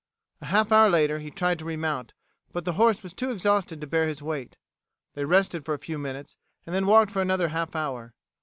A half hour later he tried to remount, but the horse was too exhausted to bear his weight. They rested for a few minutes and then walked for another half hour.